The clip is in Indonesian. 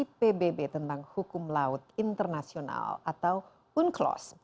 ini adalah konvensi pbb yang mengatur hukum laut internasional atau unclos